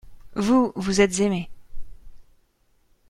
Vous, vous êtes aimés.